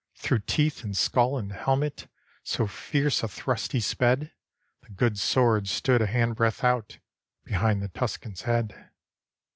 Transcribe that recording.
Through teeth, and skull, and helmet. So fierce a thrust he sped. The good sword stood a handbreadth out Behind the Tuscan's head.